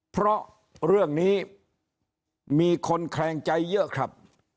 เพราะเรื่องนี้มีคนแคลงใจเยอะครับ